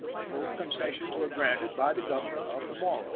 Both concessions were granted by the governor of the Morro.